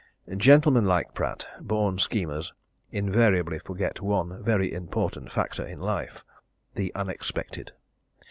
Gentlemen like Pratt, born schemers, invariably forget one very important factor in life the unexpected!